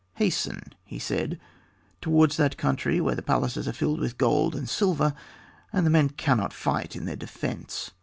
"Hasten," he said, "towards that country where the palaces are filled with gold and silver, and the men cannot fight in their defence."